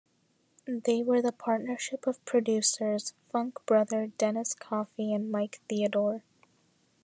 They were the partnership of producers, funk-brother, Dennis Coffey and Mike Theodore.